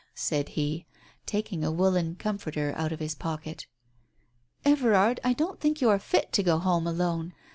said he, taking a woollen comforter out of his pocket. "Everard, I don't think you are fit to go home alone.